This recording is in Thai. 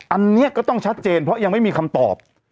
อันนี้ก็ต้องชัดเจนเพราะยังไม่มีคำตอบ